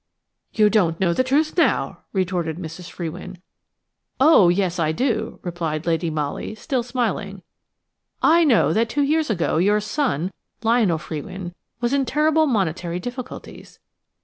"You don't know the truth now," retorted Mrs. Frewin. "Oh, yes, I do," replied Lady Molly, still smiling. "I know that two years ago your son, Mr. Lionel Frewin, was in terrible monetary difficulties.